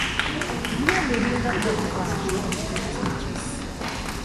Ilia mirinda travivaĵo ripetiĝis.